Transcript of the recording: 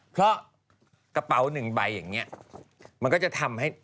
เพราะกระเป๋าหนึ่งใบอย่างนี้มันก็จะทำให้